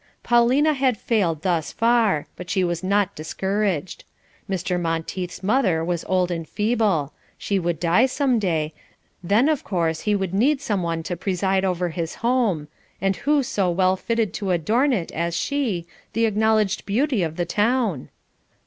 Paulina had failed thus far, but she was not discouraged. Mr. Monteith's mother was old and feeble; she would die some day, then "we shall see what we shall see" then, of course, he would need someone to preside over his home; and who so well fitted to adorn it as she, the acknowledged beauty of the town?